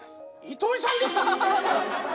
糸井さんですか？